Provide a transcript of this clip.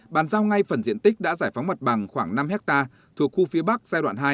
bàn giao ngay phần diện tích đã giải phóng mặt bằng khoảng năm ha thuộc khu phía bắc giai đoạn hai